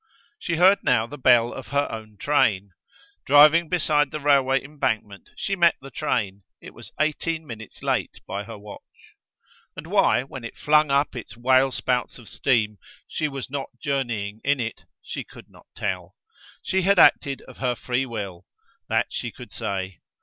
She heard now the bell of her own train. Driving beside the railway embankment she met the train: it was eighteen minutes late, by her watch. And why, when it flung up its whale spouts of steam, she was not journeying in it, she could not tell. She had acted of her free will: that she could say.